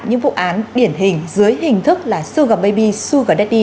những vụ án điển hình dưới hình thức là suga baby suga daddy